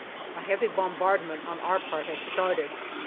A heavy bombardment on our part has started.